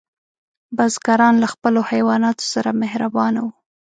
بزګران له خپلو حیواناتو سره مهربانه وو.